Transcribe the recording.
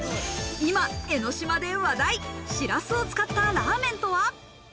今、江の島で話題、しらすを使ったラーメンとは？